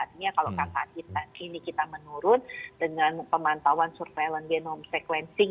artinya kalau saat ini kita menurun dengan pemantauan surveillance genome sequencing